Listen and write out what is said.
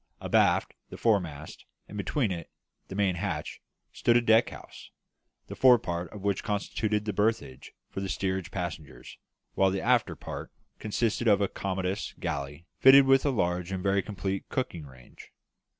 Abaft the foremast, and between it and the main hatch, stood a deck house, the fore part of which constituted the berthage for the steerage passengers, while the after part consisted of a commodious galley fitted with a large and very complete cooking range.